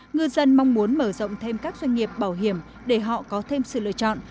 ngư dân mong muốn mở rộng thêm các doanh nghiệp bảo hiểm để họ có thêm sự lựa chọn